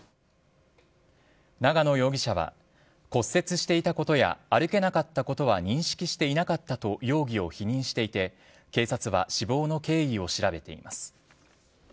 長野容疑者は、骨折していたことや歩けなかったことは認識していなかったと容疑を否認していて、警察は死亡の経緯を調べています。